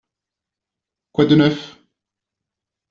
Quoi de neuf ?